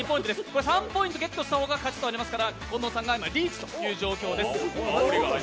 ３ポイントゲットした方が勝ちとなりますから近藤さんがリーチです。